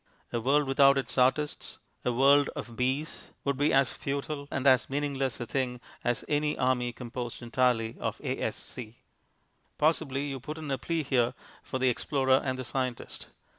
A world without its artists, a world of bees, would be as futile and as meaningless a thing as an army composed entirely of the A.S.C. Possibly you put in a plea here for the explorer and the scientist.